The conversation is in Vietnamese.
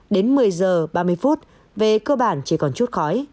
đến một mươi giờ ba mươi phút về cơ bản chỉ còn chút khói